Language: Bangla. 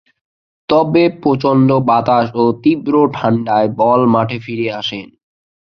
তবে, প্রচণ্ড বাতাস ও তীব্র ঠাণ্ডায় বল মাঠে ফিরে আসেন।